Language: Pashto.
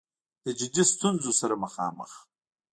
د جدي ستونځو سره مخامخ